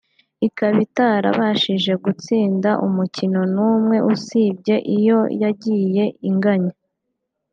ikaba itarabashije gutsinda umukino n’umwe usibye iyo yagiye inganya